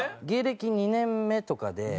芸歴２年目とかで。